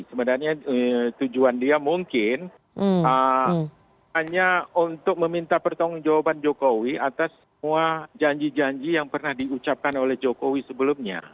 sebenarnya tujuan dia mungkin hanya untuk meminta pertanggung jawaban jokowi atas semua janji janji yang pernah diucapkan oleh jokowi sebelumnya